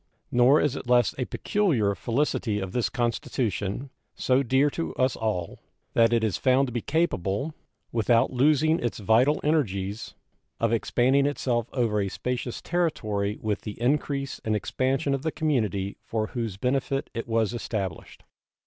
Nor is it less a peculiar felicity of this Constitution, so dear to us all, that it is found to be capable, without losing its vital energies, of expanding itself over a spacious territory with the increase and expansion of the community for whose benefit it was established.